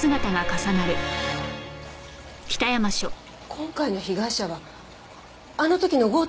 今回の被害者はあの時の強盗殺人犯。